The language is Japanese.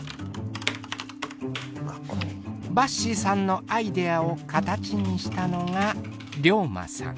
ばっしーさんのアイデアを形にしたのがりょーまさん。